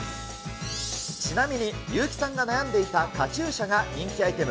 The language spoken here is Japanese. ちなみに優木さんが悩んでいたカチューシャが人気アイテム